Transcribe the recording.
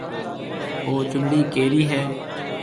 او چونڙَي ڪَيريَ هيَ؟